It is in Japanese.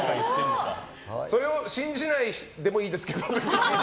それを信じないでもいいですけど別に。